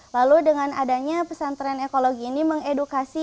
lalu dengan adanya pesantren ekologi ini mengedukasi